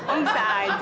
oh bisa aja sih